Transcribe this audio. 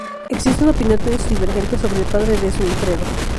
Existen opiniones divergentes sobre el padre de Sunifredo.